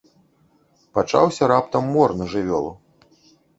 Пачаўся раптам мор на жывёлу.